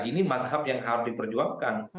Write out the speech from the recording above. ini mazhab yang harus diperjuangkan